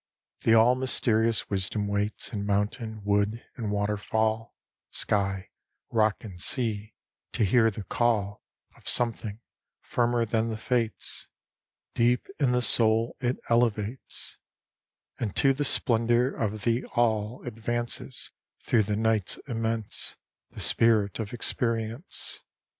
The all mysterious wisdom waits In mountain, wood, and waterfall, Sky, rock and sea, to hear the call Of something firmer than the Fates Deep in the soul it elevates; And to the splendor of the All Advances, through the night's immense, The spirit of experience.